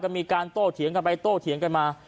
ก็มีการโต้เถียงกันไปโต้เถียงกันมา